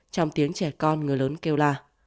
trong tiếng trẻ con người lớn kêu la